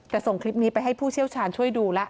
แต่ส่งคลิปนี้ไปให้ผู้เชี่ยวชาญช่วยดูแล้ว